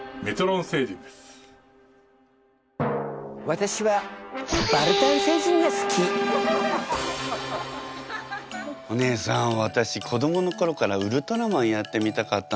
私はお姉さん私子どもの頃からウルトラマンやってみたかったの。